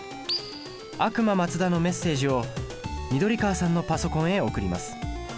悪魔マツダのメッセージを緑川さんのパソコンへ送ります。